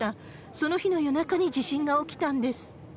その日の夜中に地震が起きたんです。